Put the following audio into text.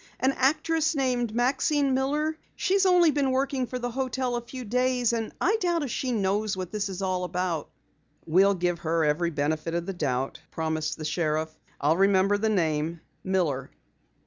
An actress named Maxine Miller. She's only been working for the hotel a few days, and I doubt if she knows what it's all about." "We'll give her every benefit of the doubt," promised the sheriff. "I'll remember the name. Miller."